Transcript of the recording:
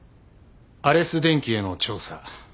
アレス電機への調査